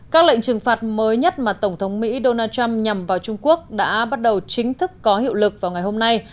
các lệnh trừng phạt mới nhất mà tổng thống mỹ donald trump nhằm vào trung quốc đã bắt đầu chính thức có hiệu lực vào ngày hôm nay